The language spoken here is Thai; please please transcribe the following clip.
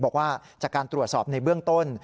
บอกว่าจากการตรวจสอบในเบื้องต้น